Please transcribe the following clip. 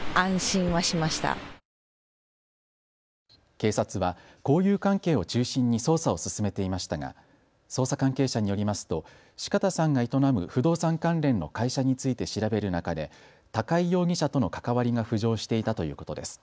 警察は交友関係を中心に捜査を進めていましたが捜査関係者によりますと四方さんが営む不動産関連の会社について調べる中で高井容疑者との関わりが浮上していたということです。